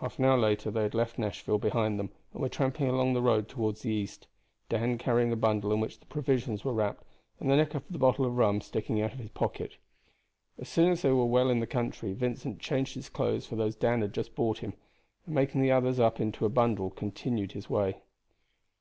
Half an hour later they had left Nashville behind them, and were tramping along the road toward the east, Dan carrying a bundle in which the provisions were wrapped, and the neck of the bottle of rum sticking out of his pocket. As soon as they were well in the country Vincent changed his clothes for those Dan had just bought him, and making the others up into a bundle continued his way.